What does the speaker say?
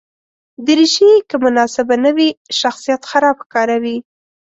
دریشي که مناسبه نه وي، شخصیت خراب ښکاروي.